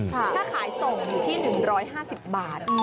ถ้าขายส่งอยู่ที่๑๕๐บาท